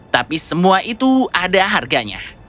tapi semua itu ada harganya